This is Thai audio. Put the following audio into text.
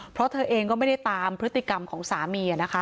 เพราะเธอเองก็ไม่ได้ตามพฤติกรรมของสามีนะคะ